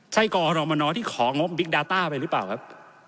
ใช่กอรมนที่ของงบบิ๊กดาต้าไปหรือเปล่าครับ